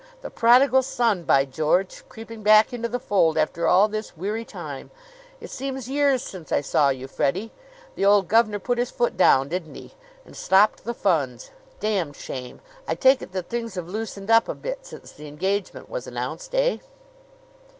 "The prodigal son, by George! Creeping back into the fold after all this weary time! It seems years since I saw you, Freddie. The old gov'nor put his foot down didn't he? and stopped the funds. Damned shame! I take it that things have loosened up a bit since the engagement was announced eh?"